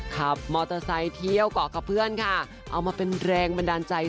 ขับมอเตอร์ไซค์เที่ยวเกาะกับเพื่อนค่ะเอามาเป็นแรงบันดาลใจ